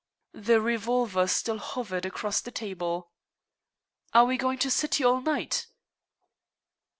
The revolver still hovered across the table. "Are we going to sit here all night?"